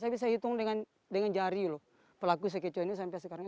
saya bisa hitung dengan jari loh pelaku sekecoh ini sampai sekarang